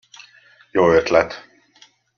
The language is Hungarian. Jó ötlet!